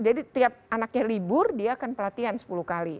jadi tiap anaknya libur dia akan pelatihan sepuluh kali